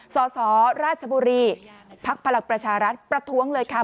สรราชบุรีพภรรกิประชารัฐประท้วงเลยค่ะ